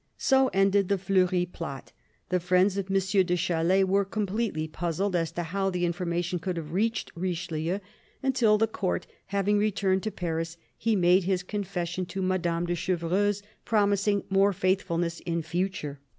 So ended the Fleury plot. The friends of M. de Chalais were completely puzzled as to how the informa tion could have reached Richelieu, until, the Court having returned to Paris, he made his confession to Madame de Chevreuse, promising more faithfulness in future.